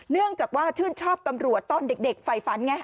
เนื่องจากว่าชื่นชอบตำรวจตอนเด็กไฟฝันไง